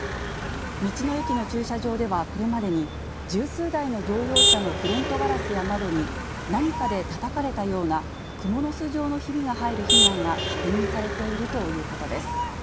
道の駅の駐車場では、これまでに、十数台の乗用車のフロントガラスや窓に、何かでたたかれたようなくもの巣状のひびが入る被害が確認されているということです。